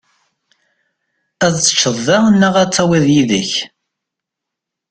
Ad teččeḍ da neɣ ad tawiḍ yid-k?